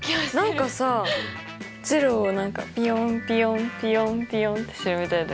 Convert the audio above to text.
何かさ０を何かピョンピョンピョンピョンってしてるみたいだよね。